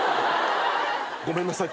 ごめんなさい